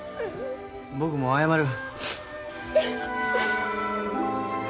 僕も謝る。